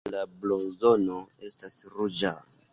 La ŝildo de la blazono estas ruĝa.